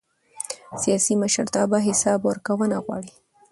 سیاسي مشرتابه حساب ورکونه غواړي